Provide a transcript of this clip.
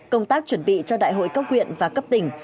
công tác chuẩn bị cho đại hội cấp huyện và cấp tỉnh